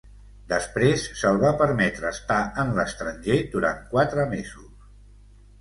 Després se'l va permetre estar en l'estranger durant quatre mesos.